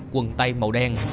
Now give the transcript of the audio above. quần tay màu đen